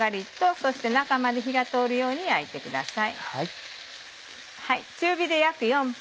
そして中まで火が通るように焼いてください。